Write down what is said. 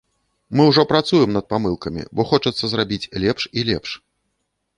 Мы ўжо працуем над памылкамі, бо хочацца зрабіць лепш і лепш.